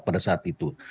pada saat itu